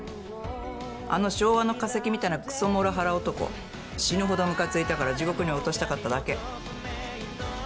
あの昭和の化石みたいなくそモラハラ男死ぬほどムカついたから地獄に落としたかっただけ。